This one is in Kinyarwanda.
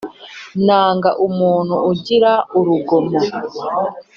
nanga umuntu ugira urugomo.